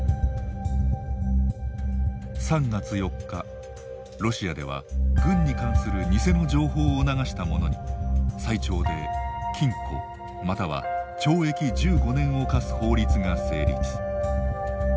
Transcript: ３月４日、ロシアでは軍に関する偽の情報を流した者に最長で禁錮または懲役１５年を科す法律が成立。